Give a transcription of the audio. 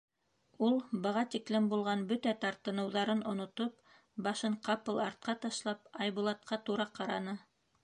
Ул, быға тиклем булған бөтә тартыныуҙарын онотоп, башын ҡапыл артҡа ташлап, Айбулатҡа тура ҡараны.